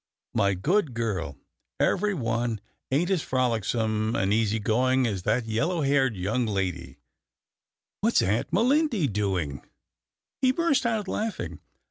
My good girl, every one ain't as frolicsome and easy going as that yellow haired young lady — What's Aunt Melindy doing?" He burst out laughing.